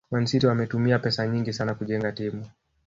Man City wametumia pesa nyingi sana kujenga timu